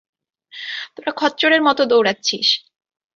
তোরা খচ্চরের মতো দৌড়াচ্ছিস।